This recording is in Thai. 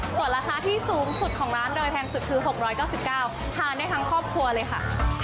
ส่วนราคาที่สูงสุดของร้านโดยแพงสุดคือ๖๙๙บาททานได้ทั้งครอบครัวเลยค่ะ